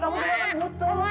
kamu juga kan butuh